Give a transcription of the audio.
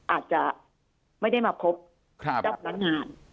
อาจจะไม่ได้มาพบเจ้าพนักงาน